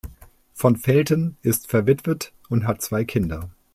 Von Felten ist verwitwet und hat zwei Kinder.